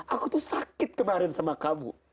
aku tuh sakit kemarin sama kamu